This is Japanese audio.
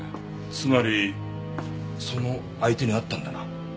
つまりその相手に会ったんだな？